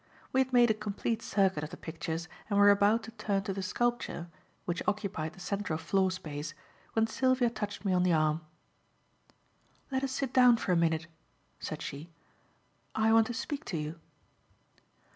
We had made a complete circuit of the pictures and were about to turn to the sculpture, which occupied the central floor space, when Sylvia touched me on the arm. "Let us sit down for a minute," said she. "I want to speak to you."